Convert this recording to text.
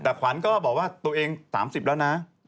แต่ขวัญก็บอกว่าตัวเอง๓๐แล้วนะ